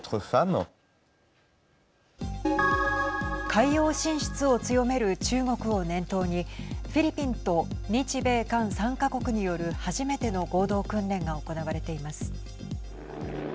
海洋進出を強める中国を念頭にフィリピンと日米韓３か国による初めての合同訓練が行われています。